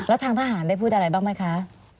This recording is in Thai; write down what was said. แล้วทางทหารได้พูดอะไรบ้างไหมคะ